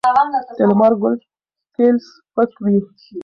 د لمر ګل تېل سپک وي.